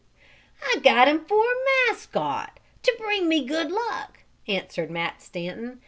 "I got him for a mascot to bring me good luck!" answered Matt Stanton.